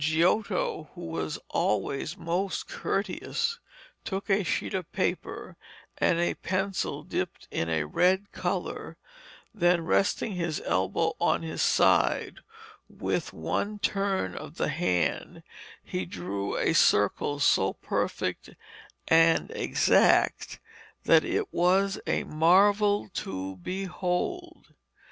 Giotto, who was always most courteous, 'took a sheet of paper and a pencil dipped in a red colour, then, resting his elbow on his side, with one turn of the hand, he drew a circle so perfect and exact that it was a marvel to behold.'